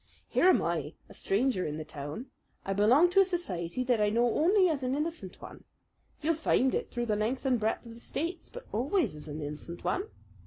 Here am I, a stranger in the town. I belong to a society that I know only as an innocent one. You'll find it through the length and breadth of the States, but always as an innocent one.